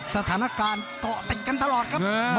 ภูตวรรณสิทธิ์บุญมีน้ำเงิน